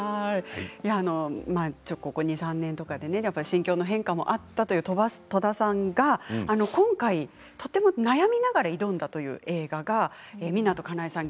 ここ２、３年心境の変化もあったという戸田さんが今回とても悩みながら挑んだという映画が湊かなえさん